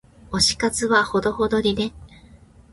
推し活はほどほどにね。